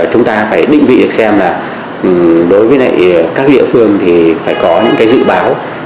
chúng ta phải định vị được xem là đối với các địa phương thì phải có những cái dự báo